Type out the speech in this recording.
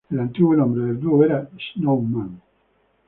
El antiguo nombre del dúo era Snowman.